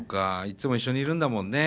いつも一緒にいるんだもんね。